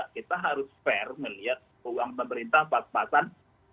kita harus fair melihat uang pemerintah pas pasan